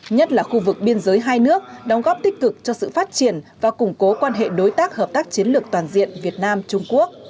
nhất là khu vực biên giới hai nước đóng góp tích cực cho sự phát triển và củng cố quan hệ đối tác hợp tác chiến lược toàn diện việt nam trung quốc